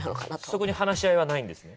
そこに話し合いはないんですね？